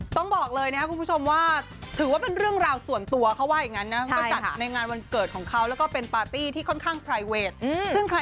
ต้องบอกเลยนะครับคุณผู้ชมว่าถือว่าเป็นเรื่องราวส่วนตัวเขาว่าอย่างนั้นนะ